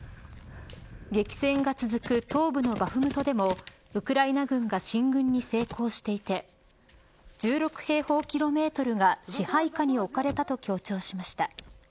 激戦が続く東部のバフムトでもウクライナ軍が進軍に成功していて１６平方キロメートルが支配下に置かれたと強調しました。